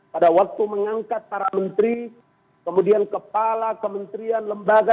pada waktu mengangkat para menteri kemudian kepala kementerian lembaga